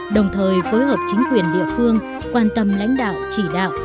đồng thời phối hợp chính quyền địa phương quan tâm lãnh đạo chỉ đạo